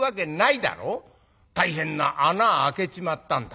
大変な穴開けちまったんだ。